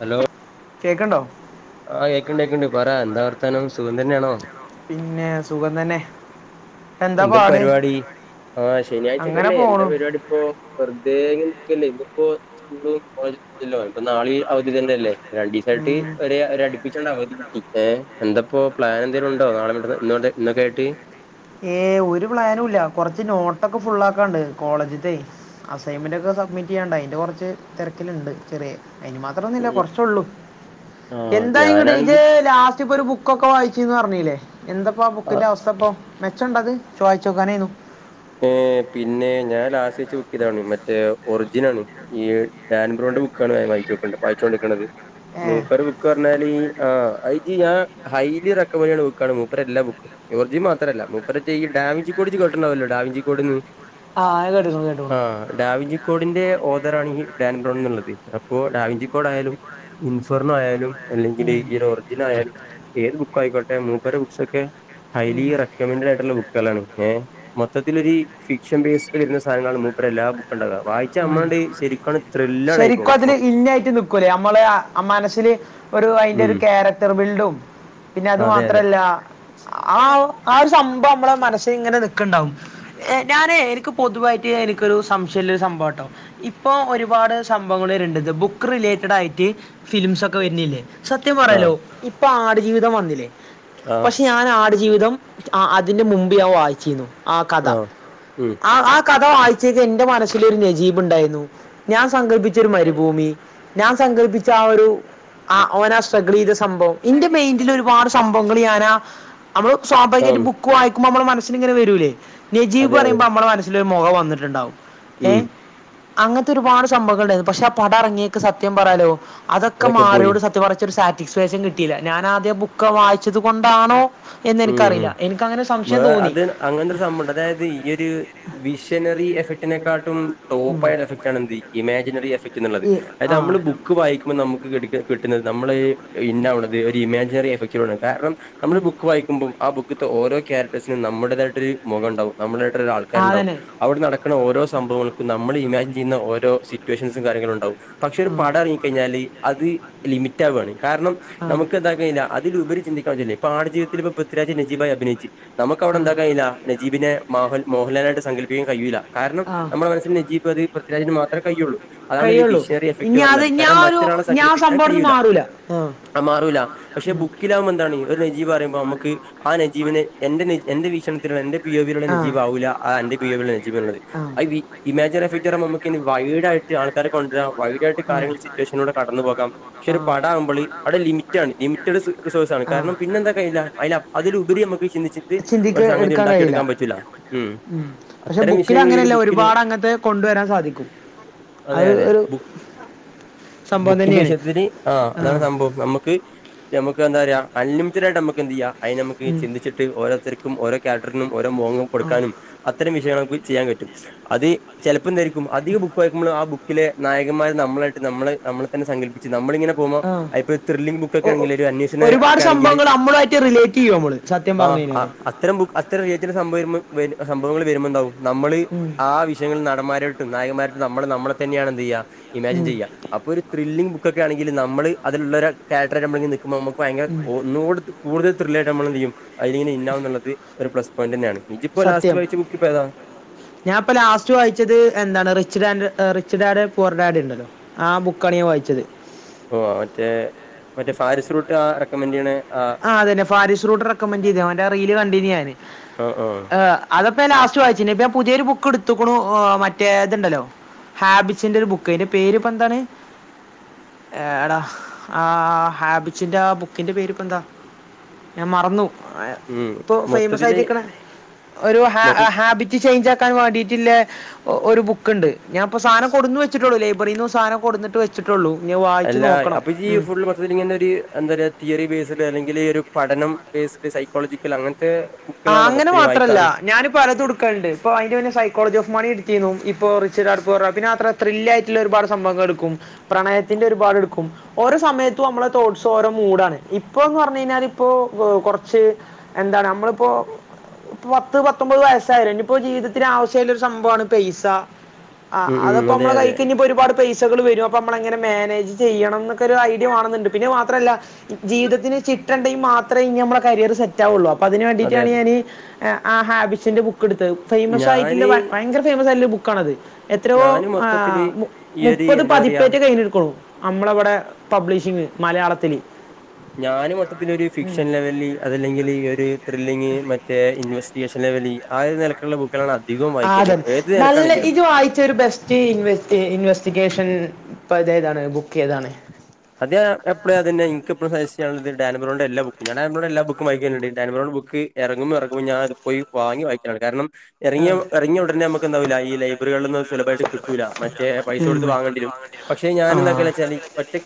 Hello കേക്ക്ണ്ടോ ആഹ് കേക്കണ്ട് കേക്കണ്ട് പറാ എന്താ വർത്താനം സുഖം തന്നെയാണോ. പിന്നെ സുഖം തന്നെ എന്താ പരിപാടി ആഹ് ശനിയാഴ്ചക്കല്ലേ എന്താ പരിപാടി ഇപ്പോ. വെറുതെ ഇര്ക്കല്ലേ ഇനി ഇപ്പോ സ്കൂളും കോളേജും ഇല്ല ല്ലേ ഇപ്പൊ നാളെയും അവധി തന്നെയ അല്ലേ. രണ്ടീസായിട്ട് ഒരേ. ഒരെ അടി അടുപ്പിച്ച് അവധി കിട്ടി ഏ എന്തപ്പോ പ്ലാൻ എന്തെങ്കിലും ഉണ്ടോ നാളെ ഇവിടെ ഇന്ന് ഒക്കെയായിട്ട്. ഏഹ് ഒരു പ്ലാനും ഇല്ല കൊറച്ച് നോട്ടൊക്കെ ഫുള്ള ആക്കാനുണ്ട് കോളേജത്തെ അസൈമെന്റ് ഒക്കെ സബ്മിറ്റ് ചെയ്യാണ്ട് അതിന്റെ കുറച്ച് തിരക്കിലുണ്ട് ചെറിയ അതിനു മാത്രം അതെന്നു ഇല്ല കുറച്ചോളൂ എന്തായി ഇങ്ങട്ട് ഇജ് ലാസ്റ്റ് ഇപ്പം ഒരു ബുക്ക് ബുക്കൊക്കെ വായിച്ചന്ന് പറഞ്ല്ലേ എന്തപ്പോ ആ ബുക്കിന്റെ അവസ്ഥ ഇപ്പ മെച്ചം ഉണ്ടോ പ്പൊ അത് ഇച്ച് വായിച്ച് നോക്കാനായിനു ഏഹ് പിന്നെ ഞാൻ ലാസ്റ്റ് വെച്ച ബുക്ക് ഇതാണ് മറ്റേ ഒർജിനാണ് ഈ ഡാൻബ്രോണ്ട് ബുക്കാണ് ഞാൻ വായിച്ചു വെക്കണ്ടത് വായിച്ചോണ്ട് നിക്ക്ണത് മൂപ്പർ ബുക്ക് പറഞ്ഞാല് ഈ ആ ഐജ് ഞാൻ ഹൈലി റെക്കമറ് ചെയ്യാണ് ബുക്കാണ് മൂപ്പര എല്ലാ ബുക്കും. ജോർജ്ന്ന് മാത്രല്ല മുപ്പരെ ഈ ഡാൻ വിചിക്കോട് ഇജ് കേട്ടുണ്ടാവല്ലോ ഡാവിൻചിക്കോട്ന്ന് ആഹ് അത് കേട്ടുകുണു കേട്ടുകുണു ഡാവിഞ്ചിക്കോടിന്റെ ഓദറാണ് ഈ ഡാൻ ബ്രോൺ എന്നുള്ളത് അപ്പോഡാവിഞ്ചിക്കോട് ആയാലും. ഇൻഫറിന ആയാലും അല്ലെങ്കിൽ ഈ ഒരു ഒറിജിന ആയാലും ഏത് ബുക്ക ആയിക്കോട്ടെ മൂപ്പര ബുക്സ്ക്കെ ഹൈലി റെക്കമെൻഡഡ് ആയിട്ടുള്ള ബുക്കുകളാണ് ഏഹ് മൊത്തത്തിലൊരു ഫിക്ഷൻ ബേസ്ൽ ഇരുന്ന സാധനങ്ങളാണ് മൂപ്പ എല്ലാ ബുക്കുണ്ടുക വായിച്ച ഞമ്മാളാണ്ട് ശരിക്കാണ്. ശരിക്കും അതില് ഇന്ന ആയിട്ട് നി പ്പര് നമ്മള മനസ്സിൽ ഒരു അതിന്റെ ഒരു ക്യാരക്ടർ ബിൽഡും. പിന്നെ അതു മാത്രല്ല ആ ഹ് ആ സംഭവം നമ്മള മനസ്സിൽ ഇങ്ങനെ നക്കണ്ടാവും. ഞാനേ എനിക്ക് പൊതുവായിട്ട് എനിക്കരു സംശയംമില്ല ഒരു സംഭവംട്ടോ ഇപ്പൊ ഒരുപാട്. സംഭങ്ങൾ വരേ ണ്ടത് ബുക്ക് റിലേറ്റഡ് ആയിട്ട് ഫിലിംസ് ഒക്കെ വരുന്നില്ലേ സത്യം പറയാലോ ഇപ്പൊ ആടു ജീവിതം വന്നില്ലേ പക്ഷെ ഞാൻ ആടു ജീവിതം അ അതിന്റെ മുമ്പേ ഞാൻ വായിച്ചിരുന്നു. ആഹ് കഥ ആ ഹ് ആ കഥ വായിച്ചേത് എൻന്റെ മനസ്സൽൊ ഒരു നജീബ് ഉണ്ടായിരുന്നു. സങ്കല്പ്പിച്ച ഒരു മരുഭൂമി ഞാൻ സങ്കല്പ്പിച്ച ആ ഒരു ഓന സ്ട്രഗിൾ ചെയ്ത സംഭവം ഇന്റെ മൈന്ഡൽ ഒരുപാട് സംഭവങ്ങൾ ഞാനാ നമ്മള് സ്വാഭാവികമായിട്ട് ബൂ വായിക്കുമ്പോ നമ്മടെ മനസി ഇങ്ങനെ വരൂല്ലേജീ് പറയുമ്പോ നമ്മ മനസ്സിൽരു മോഹംവന്നിട്ടുണ്ടാവും. ഏ അങ്ങനത്തെ ഒരുപാട് സംഭവങ്ങൾ ഉണ്ടായിരുന്നു പക്ഷെ ആ പടം ഇറങ്ങിയക്ക്സത്യം പറാലോ അതൊക്കെ മാറിയോട് സത്യ പറഞ്ഞ ഒരു സാറ്റിസ്ഫാക്ഷൻ കിട്ടിയില്ല ഞാൻ ആദ്യം ബുക്ക് വായിച്ചത് കൊണ്ടാണോ, എന്ന് എനിക്കറിയില്ല എനക്ക്ങ്ങനെ സംശയം തോന്നി. അങ്ങനരു സംഭവംണ്ട് അതായത് ഈയ ഒരു വിഷനറി എഫക്റ്റിനെക്കാട്ടും ടോപ്പായ എഫകട്, ന്ത് ഇമാജിനറി എഫക്ട്ള്ളത് അ നമ്മള ബുക്ക് ബുക്ക് വായിക്കുമ്പോൾ നമുക്ക് കിടെ കിട്ടുന്നത് നമ്മള് ഇാവുള്ളത് ഒരു ഇമാജിനറി എഫക്റ്റ്ടൊണ് കാരണം. നമ്മള് ബുക്ക് വായിക്കുമ്പോ ആ ബുക്കത്തെ ഓരോ ക്യാരക്ടർസിനെ നമ്മടേതായിട്ടൊരു മുഖംണ്ടാവും.. നമ്മളായിട്ട ഒരു ആൾക്കാരുണ്ടാവും. അവിടെ നടക്കുന്ന ഓരോ സംഭവങ്ങൾക്കും നമ്മൾ ഇമാജിൻ ചെയ്യുന്ന ഓരോ സിറ്റുവേഷൻസും കാര്യങ്ങളും ഉണ്ടാാവും. പക്ഷെ ഒരു പടം ഇറങ്ങി കഴിഞ്ഞാല് അത് ലിമിറ്റ് ആവയാണ് കാരണം, നമുക്ക് എന്താക്കയിഞഅതില ഉപരി ചിന്തിക്കാഞ്ഞി ല്ല ഇപ്പൊ ആട് ജീവിത്തിത്തില് ഇപ്പ് പൃദ്ധി രാജ് ന ജീബായി അഭിനയിച്ചു. നമുക്ക് അവിടെ എന്താ കയിഞ്ഞി ല്ല നജീബിനെ മോ മോഹൻലായി് സങ്കല്പ്പിക്കൻ കഴിയ്യൂല്ല. കാരണം നമ്മുടെ മനസ്സിൽ നജീബ് അത് പൃഥ്വിരാജന് മാത്രമേ കയ്യയുള്ളൂ. അതാണ് ഒരു മിഷീനറി എഫക്ട് പറഞ്ഞല് കാരണം മറ്റൊരാളെ സങ്കടിപ്പിക്കാൻ കഴിയു ല്ല. ആഹ് മാറൂല പക്ഷെ ബു കിലാംമ എന്താണ് ഒരു നജീബ് പറയുമ്പോ നമുക്ക് ആ നജീബിനെ എന്റെ എന്റെ വീക്ഷണത്തില എന്റെ [unintelligible] നജീവ ആവില്ല ആന്റെിയുടെ [unintelligible] ആൾക്കാരെ കൊണ്ടുവരാ വൈഡായിട്ട് കാര്യങ്ങൾ സിറ്റുവേഷനിലൂടെ കടന്നു പോകാം. പക്ഷെ പട ആകുമ്പോ അവിടെ ലിമി [unintelligible] അണ് ലിമിറ്റഡ് റിസോഴ്സാണ് കാരണം പിന്നെ എന്താ കയില്ല അതിലപ്പ അതിലുപരി നമുക്ക് ചിന്തിച്ചിട്ട് ഒരു സംഗതി ഉണ്ടാക്കിയ എടുക്കാൻ പറ്റൂല്ല പക്ഷെ ബുക്കിൽ അങ്ങനെയല്ല ഒരുപാട് അങ്ങത്തെ കൊണ്ടുവരാൻ സാധിക്കും അതെ അതെബുക്ക് ബുക്കിന്റെ വിഷയത്തിന് ആ അതാണ് സംഭവം നമുക്ക് നമുക്ക് എന്താ പറയാ അൺലിമിറ്റഡ് ആയി് നമുക്ക് എന്ത് ചെയ്യാം അയിന് നമുക്ക് ചിന്തിച്ചിട്ട് ഓരോത്തർക്കും ഓരോ കാറ്ററിനും ഓരോ മോങ്ങം കൊടുക്കാനും അത്തരം വിഷയങ്ങൾ നമുക്ക് ചെയ്യാൻ പറ്റും അത് ചെലപ്പോ എന്തായിരിക്കും അധിക ബുക്കായിക്കുമ്പോൾ ആ ബുക്ക് ലെ നായകന്മാർ നമ്മളായിട്ട് നമ്മള് നമ്മെ തന്നെ സങ്കല്പ്പിച്ചു നമ്മളിങ്ങനെ അപ്പ ത്രില്ലിങ് ബുക്ക്‌ ഒക്കെ ഒരു അന്വേഷന് ഒക്കെ ആണെങ്കില് റിലേറ്റ് ചെയ്യോമ്മള് സത്യം പറഞ്ഞ കഴഞ്ഞാല് അത്തരം [unintelligible] സംഭവങ്ങൾ വരുമ്പോണ്ടാാവും നമ്മള് ആ ഹ് [unintelligible] ആ നടന്മാരട്ടും നായന്മാട്ടും നമ്മൾ നമ്മളെ തന്നെയാണ് എന്ത് ചെയ്യുക ഇമാജിൻ ചെയ്ക അപ്പൊ ഒരു ത്രില്ലിങ് ബുക്ക്‌ ഒക്കെ ആണെങ്കിൽ നമ്മൾ അതിലുള്ളൊരു കാരക്ടർ നി ക്കുമ്പോ ഭയങ്കര ഒന്നുകൂട് കൂടുതൽ ത്രില്ലായിട്ട് നമ്മൾ എന്ത് ചെയ്യും അതിലങ്ങെ ഇണ്ടാവുള്ള ഒരു പ്ലസ് പോയിന്റ് തന്നെയാണ് ഇജിപ്പോ ലാസ്റ്റ് വായിച്ച ബുക്ക്‌ ഇപ്പ ഏതാ? ഞാൻിപ്പ ലാസ്റ്റ് വായിച്ചത് എന്താണ് റിച്ച് ഡാൻഡ് റിച്ച് ഡാഡ് പ പുവർ ഡാഡ് ഉണ്ടല്ലോ ആ ബുക്കാണ് ഞാൻ വായിച്ചത് ഓ മറ്റേ മറ്റേ ഫാരസ് ഫ്രൂട്ട് ആ റെക്കമെൻഡ് ചെയ്യണ ആഹ് അതന്നെ ഫരീസ്‌റൂട് റെക്കമെന്റ് ചെയ്ത അവന്റെ റൽ കണ്ടീ ഞാന് അതപ്പ ലാസ്റ്റ് വായിച്ചിന് ഇപ്പ പുതിയരു ബുക്ക് എടുതൂക്കുന്നു ഓ,, മറ്റേ ഹാബിസിന്റെ ഒരു ബുക്ക് അതിന്റെ പേര്പ്പൊ എന്താണ്? എടാ ആഹ് ഹാബിറ്റ്സിൻ്റെ ആ ബുക്കിൻ്റെ പേരിപ്പോം എന്താ? ഞാൻ മറന്നു ഇപ്പൊ ഫേമസ് ആയിട്ടിരിക്കണ ഒരു ഹാ ഹാ ഹാ ഹാബിറ്റ് ചേഞ്ച്‌ ആക്കാൻ വേണ്ടിട്ടുള്ള ഒരു ബുക്ക് ഇണ്ട് ഞാപ്പോ സാധനം കൊടുന്ന് വെച്ചിട്ടോള്ളൂ ലൈബറിൽന്ന് സാനം കൊടുന്നിട്ട് വെച്ചിട്ടുള്ളൂ ഇനി വായിച്ചു നോക്കണം ഉം ഒരു എന്താറയാ തിയറി ബേസ്ഡ് അല്ലെങ്കിൽ ഒരു പഠനം ബേസ്ഡ് സൈക്കോളജിക്കൽ അങ്ങനത്തെ ആ അങ്ങനെ മാത്രല്ല ഞാനിപ്പോ പലത് ഇടുക്കല്ണ്ട് ഇപ്പോ അയിന്റെ മുന്നെ സൈക്കോളജി ഓഫ്‌ മണി ഇട്ത്തീന്നു. ഇപ്പോ റിച് ഡാഡ് പുവർ ഡാഡ് പിന്നെ അത് മാത്രല്ല ത്രില് ആയിട്ടുള്ള ഒരുപാട് സംഭവങ്ങൾ എടുക്കും, പ്രണയത്തിന്റെ ഒരുപാട് എടുക്കും ഓരോ സമയത്തും നമ്മളെ തോട്സ് ഓരോ മൂഡാണ് ഇപ്പൊ എന്ന് പറഞ്ഞു കഴിഞ്ഞാൽ ഇപ്പോ കുറച്ച് എന്താണ് നമ്മളിപ്പോ പത്ത് പത്തൊമ്പത് വയസ്സായിലേ ഇനി ഇപ്പോ ജീവിതത്തിന് ആവശ്യ ആയിട്ട്ഉള്ള ഒരു സംഭവമാണ് പൈസ ആ അത് അപ്പൊ നമ്മളുടെ കയ്യിക്ക് ഒരുപാട് പൈസകൾ വരും അപ്പം നമ്മള് എങ്ങനെ മാനേജ് ചെയ്യണം എന്നൊക്കെ ഒരു ഐഡിയ വേണന്ന്ണ്ട്. പിന്നെ അത് മാത്രമല്ല ജീവിതത്തിന് ചിട്ടെണ്ടെങ്കിൽ മാത്രമേ ഇനി നമ്മള കരിയർ സെറ്റ് ആവൊള്ളു. അപ്പൊ അതിന് വേണ്ടി വേണ്ടി ഞാന് ആ ഹാബിസിന്റെ ബുക്ക്ടുത്തത് ഫേമസ് ആയിട്ടുള്ള ഭ ഭയങ്കര ഫേമസ് ആയിള്ള ബുക്കാണത്. എത്രയോ ആ് മുപ്പത് പതിപ്പേറ്റെ കഴിഞ്ഞരിക്കുണൂ നമ്മളിവിടെ പബ്ലിഷിങ് മലയാളത്തിൽ ഞാനും മൊത്തത്തി ഒരു ഫിക്ഷൻ ലെവല് അതല്ലെങ്കിൽ ഒരു ത്രില്ലിങ് മറ്റേ ഇൻവെസ്റ്റ് റ്റിഗേഷൻ ആ ഒരു നിലക്കുള്ള ക്കാൾ അതികം ആതെന്നെ നല്ല ഇജി വായിച്ചൊ ഒരു ബെസ്റ്റ് റ്റി ഇൻവെസ് ഇൻവെസ്റ്റിഗേഷൻ ഇപ്പൊ അതേതാണ് ബുക്ക് ഏതാണ്? അതെ ഞാൻ എപ്പോളും അതെന്നെ. ഇനിക്ക് ഇപ്പളും സജെസ്റ്റ് ചെയ്യാനിഉള്ളത് ഡാനബറോന്റെ എല്ലാ ബുക്കും. ഞാൻ എല്ലാം ബുക്ക്‌ വായിക്കാറുണ്ട് ഡൻബറോന്റെ ബുക്ക് ഇറങ്ങുമ്പോൾ ഇറങ്ങുമ്പോൾ ഞാൻ അത്പ്പോയി വാങ്ങി വായിക്കലാണ് കാരണം ഇറങ്ങിയ ഇറങ്ങിയ ഉടനെ നമുക്ക്ന്താവില്ല ഈ ലൈബറികളൊന്നും സുലഭമായിട്ട് കട്ടില്ല മറ്റേ പൈസ കൊടുത്ത് വാങ്ങേണ്ടിരും പക്ഷെ ഞാനെന്താക്കലാചാല്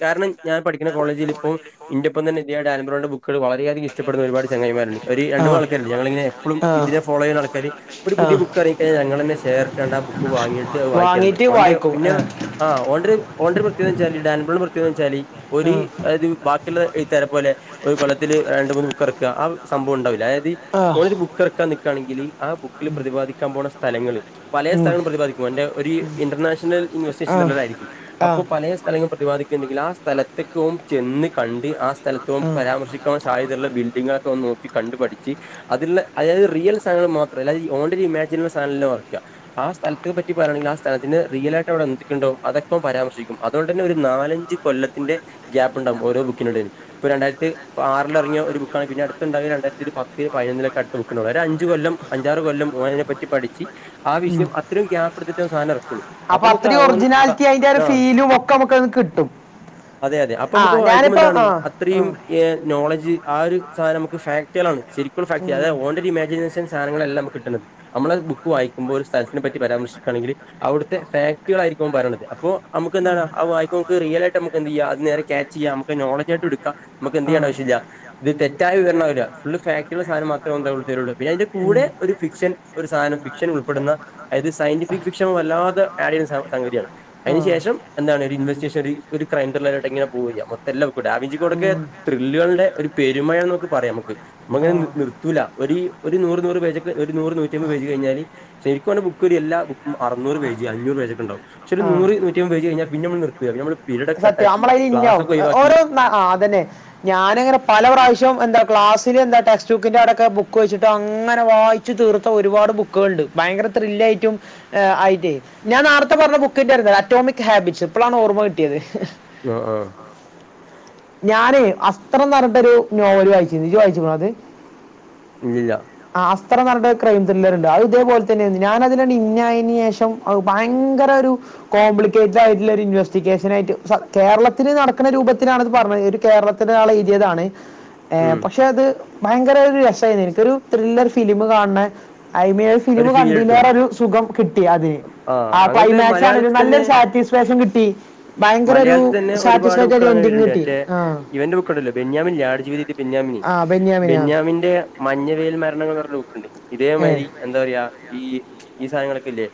കാരണം ഞാൻ പഠിക്കുന്ന കോളേജിലിപ്പോ ഇന്റോപ്പം [unintelligible] വളരെയധികംഷ് ഇഷ്ടപ്പെടുന്ന ഒരുപാട് ചങ്ങായിമാരുണ്ട് ഒര് രണ്ട് മൂന്നാൾക്കാരുണ്ട് ഞങ്ങളിങ്ങന എപ്പോഴും ഇതിനെ ഫോളോ ചെയ്യുന്ന ആൾക്കാര് ഒരു പുതിയ ബുക്ക് എറങ്ങിയിക്കഴിഞ്ഞാ ഞങ്ങളന്നെ ഷെയർ ഇട്ടണ്ട് ആ ബുക്ക് വാങ്ങിട്ട് വായിക്കാല്ണ്ട്. ഒന്റെ പിന്നെ ആഹ് ഓന്റോര് ഓണ്ടര് പ്രത്യേകന്ന്ച്ചാല് ഡാൻബിളും പ്രത്യകന്താച്ചാല് ഒരി അതായത് എയ്ത്താരെ പോലെ ഒരു കൊല്ലത്തില് രണ്ട് മൂന്ന് ബുക്കറക്ക ആ സംഭവം ഉണ്ടാവില്ല അതായത് ഓ കെ ക്കെ നിക്കാണെങ്കില് ആ ബുക്ക്‌ല് പ്രതിപാദിക്കാൻ പോണ സ്ഥലങ്ങള് പലേ സ്ഥലോം പ്രതിപാദിക്കും ഓന്റെ ഒരു ഇന്റർനാഷണൽ ഇൻവെസ്റ്റഗേഷൻ ത്രില്ലലായിരിക്കും അപ്പൊ പലേ ലങ്ങൾ പ്രതിപാദിക്കുന്നുണ്ടെങ്കില് ആ സ്ഥലത്ത്കോൻ ചെന്ന് കണ്ട് ആ സ്ഥലതോൻ പരാമർശി സാധ്യതയുള്ള ബിൽഡിങ്ങൊക്കെ ഓൻ നോക്കികണ്ട് പഠിച്ച് അതില്ന്ന് അതായത് റിയൽ സാനങ്ങൾ മാത്രം അല്ല ഓന്റെര് ഇമേജിനറി സാനല്ല ഓൻ എറക്കാ ആ സ്ഥലത്തിനെ പറ്റി പറയാണെങ്കിൽ ആ സ്ഥലത്തിന് റിയലായിട്ട് അവിടെ എന്തൊക്കുണ്ടോ അതൊക്കെ ഓൻ പരാമർശിക്കും അതോണ്ടെന്നെ ഒരു നാല ഞ്ച് കൊല്ലത്തിന്റെ ഗ്യാപ്ണ്ടാകും ഓരോ ബുക്കിനെടേലും, ഇപ്പൊ രണ്ടായിരത്തി ഇപ്പ ആറിൽ എറങ്ങിയ ഒരു ബുക്കാണ് പിന്നെ അടുത്ത്ണ്ടായ രണ്ടായിരത്തിൽ പത്തിൽ പതിനൊന്നൊക്കെ അടുത്ത ബുക്‌ണ്ടാവൊള് ഒരു അഞ്ച് കൊല്ലം അഞ്ചാറ് കൊല്ലം ഓനയിനെപ്പറ്റി പഠിച്ച് ആ വിഷയം അത്രയും ഗ്യാപ്പെടുത്തിട്ടെ ഓൻ സാധനം എറക്കുള്ളു. അപ്പൊ അത്രയും ഒറിജിനാലിറ്റി അയിന്റെരു ആ ഒരു ഫീലും ഒക്കെ നമ്മുക്കത് കിട്ടും. അതെ അതെ അപ്പൊ മ്മക്ക് വായിക്കുമ്പോ ന്താണ് അത്രീം എഹ് നോളജ് ആ ഒരു സാനം നമുക് ഫാക്ടുകളാണ് ശരിക്കുള്ള ഫാക്ട് അതത് ഓന്റൊരു ഇമാജിനേഷൻ സാധനങ്ങളല്ല മ്മക്ക് കിട്ട്ന്നത് നമ്മള ബുക്ക് വായിക്കുമ്പോൾ ഒരു സ്ഥലത്തിനെ പറ്റി പരാമർശിക്കുകയാണെങ്കിൽ അവിടുത്തെ ഫാക്ടുകളായിരിക്കും ഓൻ പറയണത് അപ്പോ നമുന്താണ് അത് വായിക്കുമ്പോ നമക്ക് റിയലായിട്ട് നമുക്ക് എന്ത് ചെയ്യ അത് നേരെ ക്യാചെയ്യാം നമക്ക് നോളജായിട്ട് എട്ക്കാം. മ്മക്ക് ക്കെന്ത് ചെയ്യണ്ടാവശല്ല്യ. ഇത് തെറ്റായ വിവരണാവില്ല ഫുൾ ഫാക്റ്റ്ള്ള സാധനം മാത്രേഓൻ എന്താ ഉള്ളൂ തരുള്ളൂ പിന്നെ അയിന്റെ കൂടെ ഒരു ഫിക്ഷൻ ഒരു സാനം ഫിക്ഷൻ ഉൾപ്പെടുന്ന അതായത് സയന്റിഫിക് ഫിക്ഷൻ വല്ലാതെ ആഡ് ചെയ്യുന്ന സംഗതിയാണ്. അയിന് ശേഷം എന്താണ് ഒരി ഇൻവെസ് ശേഷം ഒരു ക്രൈം ത്രില്ലെടങ്ങിയ പോയി മൊംല്ലാംകൂടെ ഡാവിഞ്ചി കോടൊക്കെ ത്രില്ലുകള്ടെ ഒരു പെരുമഴന്നൊക്കെ പറയാം മ്മക്ക് നമ്മങ്ങനെ നിർത്തൂല ഒരു ഒരു നൂറ് നൂറ് പേ- ഒരു നൂറ് നൂറ്റമ്പത് പേജ് കഴിഞ്ഞാല് ശരിക്കും ഓന്റൊരു ബുക്ക് ഒരു എല്ലാ അറുന്നൂറ് പേജ് അഞ്ഞൂറ് പേജൊക്കെണ്ടാകും പക്ഷെ നൂറ് നൂറ്റിയമ്പത് പേജ് കൈഞ്ഞാ പിന്ന നമ്മ [unintelligible] പീരീഡോക്കെ കട്ടാക്കി, ക്ലാസ് ഒക്കെ ഒയിവാക്കി. ന്നാ ആഹ് അതെന്നെ. ഞാന്ങ്ങനെ പല പ്രാവശ്യം എന്താ ക്ലാസ്സില് എന്താ ടെക്സ്റ്റ് ബുക്കിന്റെ ആടൊക്കെ ബുക്ക് വെച്ചിട്ട് അങ്ങനെ വായി- ച്ച് തീർത്ത ഒരുപാട് ബുക്കുകള്ണ്ട്. ഭയങ്കര ത്രില്ലായിട്ടും ആയിറ്റെ ഞാൻ നാർത്തെ പറഞ്ഞ ബുക്കിട്ട്യാർന്ന അറ്റോമിക് ഹാബിറ്റ്സ് ഇപ്പോഴാണ് ഓർമ്മ കിട്ടിയത്. ആഹ് ആഹ്. [inaudible] ഞാനെ അസ്ത്രം ന്നറിഞ്ഞിട്ടൊരു നോവല് വായിച്ചിന് ഇജ് വായിച്ചിക്ണോ അത്? ഇല്ലില്ല ആഫ്റ്റർ ന്നറിഞ്ഞിട്ട് ഒര് ക്രൈം ത്രില്ലറണ്ട്. അത് ഇതേപോലെ തന്നെന്ന് ഞാനതിന് അങ്ങട് ഇന്നായതിന് ശേഷം അഹു ഭയങ്കര ഒരു കോംപ്ലിക്കേറ്റഡ് ആയിട്ടുള്ള ഒരു ഇൻവെസ്റ്റ് യിട്ട് കേരളത്തില് നടക്കണ രൂപത്തിലാണത് പറഞ്ഞത് ഒരു കേരളത്തിലെ ഒരാൾ എയിതിയതാണ്. ഏഹ് പക്ഷെ അത് ഭയങ്കര ഒരു രസായിന് ഒരു ത്രില്ലർ ഫിലിം കാണ്ണെ ഐമീ- പിരിവ് കണ്ടിലേറെ ഒരു സുഖം കിട്ടി അതിന് ആ ക്ലൈമാക്സ്‌ ആണെലും നല്ലൊരു സാറ്റിസ്ഫാക്ഷൻ കിട്ടി. മലയാളത്തി തന്നെ ഒരുപാട് ബുക്കള് അങ്ങനെ വരണ്ണ്ട് മറ്റേ ഇവന്റെറ ബുക്ക്ണ്ടല്ലോ ബെന്യാമില്ല ആട് ജീവിത ബെന്യാമിനി ബെന്യാമിന്റെ മഞ്ഞ വെയിൽ മരണങ്ങൾ ന്ന് പറഞ്ഞ ബുക്ക്ണ്ട് ഇതേമായ്രി എന്താ പറയാ ഈ ഈ സാനങ്ങളൊക്കെ ല്ലേ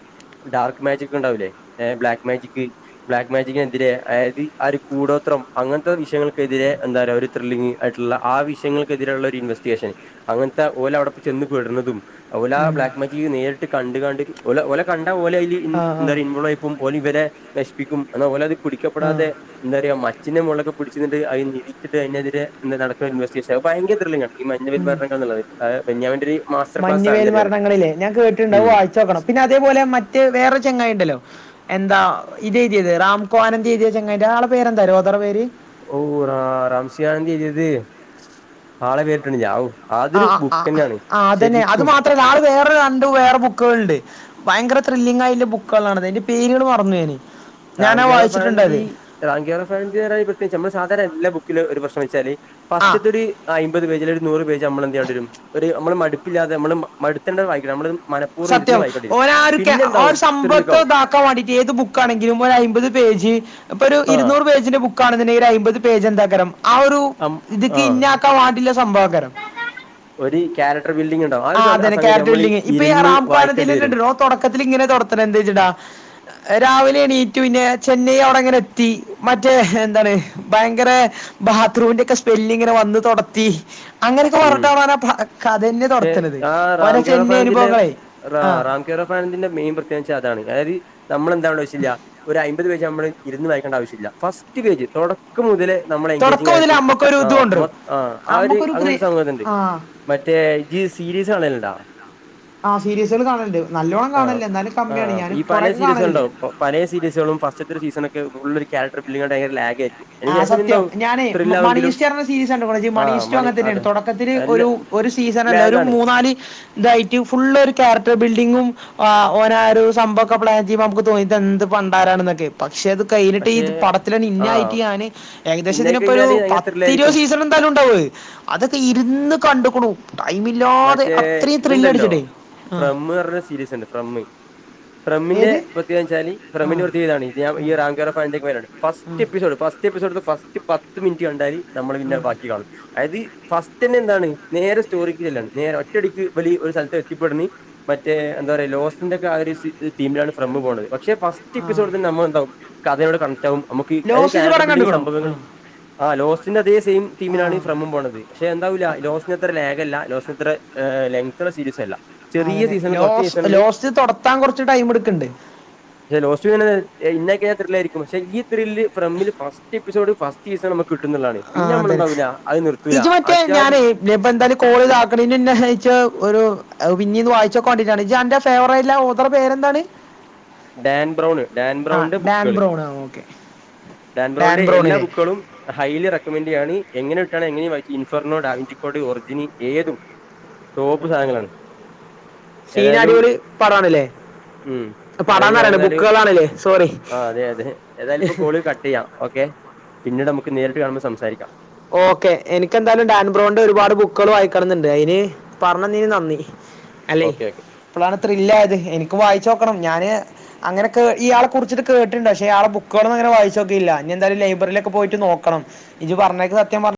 ഡാർക്ക് മാജിക്ണ്ടാവില്ലേ ഏഹ് ബ്ലാക് മാജിക് ബ്ലാക്ക് മാജിക് തിരെ അതായത് ആ ഒരു കൂടോത്രം അങ്ങനത്തെ വിഷയങ്ങൾക്കെതിരെ എന്താറിയാ ഒരു ത്രില്ലിങ് ആയിട്ടുള്ള ആ വിഷയങ്ങക്കെതിരെയുള്ള ഒരു ഇൻവെസ്റ്റിഗേഷൻ, അങ്ങനത്തെ ഓലവ്ടെ ചെന്ന് പെട്ന്നതും ഓലാ ബ്ലാക്ക് മാജിക്‌ നേരിട്ട് കണ്ട് കണ്ട് ഓല ഓലെ കണ്ട ഓല് അയില് ഇൻ എന്താപറയാ ഇൻവോൾവായി പോവും ഓൻ ഇവലെ നഷിപ്പിക്കും. എന്ന ഓന് അത് പിടിക്കപ്പെടാതെ എന്താ അറിയോ മച്ചിന്റെ മോളിലൊക്കെ പിടിച്ന്ന്ട്ട് അയിന്ന്ണീറ്റ്ട്ട് അതിനെതിരെ നടക്കണ ഒര് ഇൻവെസ്റ്റഗേഷൻ അത് ഭയങ്കര ത്രില്ലിങ്ങാ ഈ മഞ്ഞവെയിൽ മരണങ്ങൾ എന്നുള്ളത് ആ ബെന്യാമിന്റെ ഒരു മാസ്റ്റർ ക്ലാസ് സാധനം തന്നെയാണ് മ്മ് പിന്നെ അതേപോലെ മറ്റെ വേറൊര് ചങ്ങായിണ്ടല്ലോ എന്താ ഇതെയ്തിയത് റാംകോ ആനന്തി എയ്തിയ ചെങ്ങായിന്റെ ആ ആളെ പേരെന്തറിയോ ഓദറെ പേര് ഔ റാ റാംസി അനന്ദി എയ്തിയത് ആളെ പേര് കിട്ടിനില്ല ഔ ആ ആഹ് ആ അതന്നെ അത് മാത്രല്ല ആള് വേറെ രണ്ട് വേറെ ബുക്കുകള്ണ്ട് ഭയങ്കര ത്രില്ലിങ്ങായിള്ള ബുക്കുകളാണത് അയിന്റെ പേരുകൾ മറന്നു ഞാന് ഞാനാ വായിച്ചിട്ടുണ്ട് അത് റാം കെയർ ഓഫ് അനന്ദി പറയാന് പ്രത്യേകിച്ച് നമ്മള് സാധാരണ എല്ലാ ബുക്കിലും ഒരു പ്രശ്നം വെച്ചാൽ ഫസ്റ്റത്തെ ഒര് അയ്മ്പത് പേജ് അല്ലെ ഒരു നൂറ് പേജ് നമ്മള് എന്ത്‌യാണ്ടി വരും ഒരു നമ്മള് മടുപ്പില്ലാതെ നമ്മള് മടുത്താണ്ട് തന്നെ വായിക്കണം നമ്മള് സത്യം ഓനാ ഒര് ക ആ ഒര് സംഭവത്തെ താ ക്കാൻ വേണ്ടീട്ട് ഏത് ബുക്കാണെങ്കിലും ഒരു അയ്മ്പത് പേജ് ഇപ്പൊ ഒരു ഇരുന്നൂറ് പേജിന്റെ ബുക്ക ണെന്നുണ്ടെങ്കി ഒരു അയ്മ്പത് പേജ് എന്താക്കാരം ആ ഒരു ഇത്ക്ക് ഇന്നാക്കാൻ വേണ്ടിള്ള സംഭവക്കാരം ആ അതന്നെ ക്യാരറ്റർ വില്ലിങ് ഇപ്പൊ ഈ റാംകോ ആനന്ദില് തന്നെ ണ്ട് ഓൻ തൊടക്കത്തില് ഇങ്ങനെ തൊടത്തണെ എന്ത്ചിട്ട രാവിലെ എണീറ്റ് പിന്നെ ചെന്നൈ അവിടെങ്ങനെ എത്തി മറ്റേ ഹേ എന്താണ് ഭയങ്കര ബാത്റൂമിന്റെ ഒക്കെ സ്മെല്ലിങ്ങനെ വന്ന് തൊടത്തി അങ്ങനെയൊക്കെ പർഞ്ഞിട്ടാണ് ഓനാ പാ കഥന്നെ തൊടത്തണത് ഓ ന് ചെന്നേയ് പിന്നെ റാ റാം കെയർ ഓഫ് ആനന്ദിന്റെ മെയിൻ പ്രത്യേകതാന്ന് വെച്ച അതാണ് അതായത് നമ്മളെന്താവേണ്ട ആവശ്യല്ല്യ ഒരു അയ്മ്പപത് പേജ് നമ്മൾ ഇരുന്ന് വായിക്കേണ്ട ആവശ്യല്ല ഫസ്റ്റ് പേജ് തൊട ക്കം മുതലേ നമ്മളെ എൻഗേജിങ് ആയിട്ട് ആ മൊ ആ ഒരു അങ്ങനൊരു സംഗതിണ്ട് മറ്റേ ഇജ്ജ് സീരീസ് കാണല്ണ്ടാ? ആ സീരീസള് കാണല്ണ്ട് നല്ലോണ്ണം കാണലില്ല എന്നാലും കമ്മിയാണ് ഞാന് കുറെ ഒക്കെ കാണല് ഉണ്ടാവും ഇപ്പൊ പലേ സീരീസുകളും ഫസ്റ്റത്തെ ഒരു സീസണൊക്കെ ഫുള്ളൊരു കാരക്ടർ ബില്ലിഡിങ്ങോണ്ട് ഭയങ്കര ലാഗയിരിക്കും ആ സത്യം ഞാന് മണി ഹിയ്‌സ്റ്റ് അർഞ്ഞ സീരീസ് കണ്ട്ക്ണോ ഇജ്ജ് മണി ഹീയ്സ്റ്റ് പറഞ്ഞ ന്നേണ് തുടക്കത്തില് ഒരു ഒരു സീസൺ അല്ല ഒരു മൂന്നാല് ഇതായിട്ട് ഫുള്ളൊരു ക്യാരക്ടർ ബിൽഡിങ്ങും ആ ഓരാആഒരു സംഭവൊക്കെ പ്ലാചെയ്യുമ്പോ നമക്ക് തോന്നും ഇതെന്ത് പണ്ടാരാണ്ന്നൊക്കെ പക്ഷെ അത് കഴിഞ്ഞിട്ട് ഇത് പടത്തിലട്ട് ഇന്നായി യാന് ഏകദേശം ഇതിനിപ്പൊരു പത്തിരുപത് സീസൺ എന്തായാലുണ്ടാവും അതൊക്കെ ഇരുന്ന് കണ്ട്ക്ക്ണൂ ടൈമില്ല മറ്റേ ഇത്ണ്ടല്ലോ ഫ്രമ്മ് അർഞ്ഞ സീരീസ് ഇണ്ട് ഫ്രമ്മ് ഫ്രമ്മിന്റെ പ്രത്യേകതച്ചാല് ഫ്രമ്മിന്റെ പ്രത്യേകത ഇതാണ് ഈ റാം കെയർ ഓഫ് അനന്ദി ഒക്കെ പോലെണ് first episode first episode first പത്ത് മിനിറ്റ് കണ്ടാല് നമ്മള് പിന്നെ ബാക്കി കാണും അയത് ഫസ്റ്റ്ന്നെന്താണ് നേരെ സ്റ്റോറി ല്ലാണ് നേരെ ഒറ്റടിക്ക് വലിയ ഒരു സ്ഥലത്ത് എത്തിപ്പെട്ണ് മറ്റേ എന്താ പറയാ ലോസിറ്റിന്റെ ഒക്കെ ആ ഒര് തീമിലാണ് ഫ്രമ്മ് പോണത് പക്ഷെ ഫസ്റ്റ് എപ്പിസോഡി തന്നെ മ്മള് എന്താവും കഥയവടെ കണക്റ്റ് ആവും നമക്ക് ആ കാരക്റ്റർ ബിൽഡിംഗ് സംഭവങ്ങള് ആ ലോസ്റ്റിന്റെ അതേ സെയിം തീമിലാണ് ഫ്രമ്മും പോണത് പക്ഷെ എന്താവൂല്ല ലോസ്റ്റിന്റെ അത്ര ലാഗല്ല ലോസ്റ്റിന്റെ അത്ര ലെങ്ത്ത്ള്ള സീരീസല്ല ആഹ് അതെന്നെ ലോസ് ലോസ്റ്റ് തൊടത്താൻ കുറച്ച് ടൈം എട്ക്ക്ണ്ട് ക്ഷെ ലോസ്റ്റ്ങ്ങനെ ഇന്നായി കൈഞ്ഞ ത്രില്ലായിരിക്കും പക്ഷെ ഈ ത്രില്ല് ഫ്രമ്മിൽ ഫസ്റ്റ് എപ്പിസോഡ് ഫസ്റ്റീസാമ്മക്ക് കിട്ടുന്നുള്ളതാണ് പിന്നെ നമ്മളെന്താവൂല അത് നിർത്തൂല അജാതി ഇനിപ്പോ എന്തായാലും കോള്താക്കണ ഇന്നേഹായിച്ച ഒരു പിന്നീന്ന് വായിച്ചോക്കണ്ടിട്ടാണ് ഇജ്ജ് അന്റെ ഫേവറായിറ്റ്ള്ള ആ ഓദറെ പേരെന്താണ് ഡാൻ ബ്രൗണ് ഡാൻ ബ്രൗൺന്റെ ബുക്കള് ഡാൻബ്രൗണിന്റെ എല്ലാ ബുക്കളും ഹൈലി റെക്കമെന്റ്ചെയ്യാണ് എങ്ങനെ ഇട്ടാണ് എങ്ങനെ ഇൻഫർനോ ആന്റിഫോഡി ഒറിജിനി ഏതും ടോപ്പ് സാധനങ്ങളാണ് ഏതായാലും ഉം അതായത് ഞാൻ എന്തായാലും ആ അതെ അതെ ഏതായാലും ഇപ്പോ കോളി കട്ട് ചെയ്യാം ഓക്കേ പിന്നീട് നമക്ക് നേരിട്ട് കാണുമ്പോ സംസാരിക്കാം ഓക്കെ എനിക്ക് എന്തായാലും ഡാൻ ബ്രോന്റെ ഒരുപാട് ബുക്കള് വായിക്കണംണ്ട് അയിന് പറഞ്ഞന്നീനു നന്ദി അല്ലെ ഇപ്പളാണ് ത്രില്ല് ആയത് എനിക്ക് വായിച്ചു നോക്കണം ഞാന് അങ്ങനെക്കെ ഇയാള കുറിച്ച് കേട്ട്ണ്ട് പക്ഷേ ഇയാളെ ബുക്കളൊന്നും അങ്ങനെ വായിച്ച് നോക്കീല്ല ഇനി എന്തായാലും ലൈബ്രറിലൊക്കെ പോയിട്ട് നോക്കണം ഇജ് പറഞ്ഞേക്ക് സത്യം പ